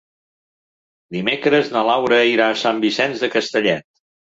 Dimecres na Laura irà a Sant Vicenç de Castellet.